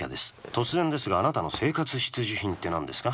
突然ですがあなたの生活必需品って何ですか？